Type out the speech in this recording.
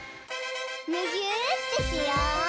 むぎゅーってしよう！